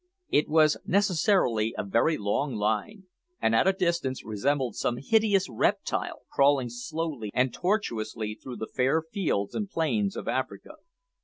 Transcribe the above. It was necessarily a very long line, and at a distance resembled some hideous reptile crawling slowly and tortuously through the fair fields and plains of Africa.